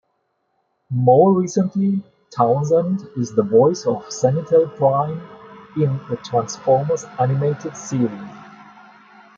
More recently, Townsend is the voice of Sentinel Prime in the "Transformers Animated" series.